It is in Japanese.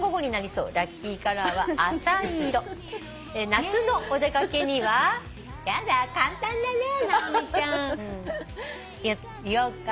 「夏のお出かけには」やだ簡単だね直美ちゃん。言おっか。